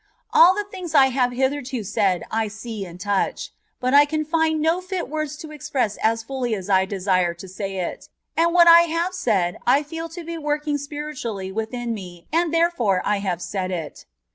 .•• AH the things I bave hitherto said I see and touch : but I can find no fit words to express as fully as I desire to say it ; and what I bave said I feel to be working spiritually within me, and therefore I bave said it."